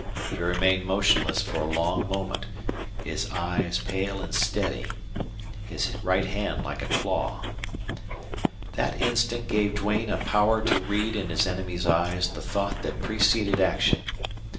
He remained motionless for a long moment, his eyes pale and steady, his right hand like a claw. That instant gave Duane a power to read in his enemy's eyes the thought that preceded action.